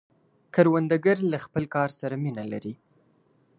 کروندګر له خپل کار سره مینه لري